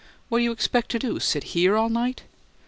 "What you expect to do? Sit HERE all night?"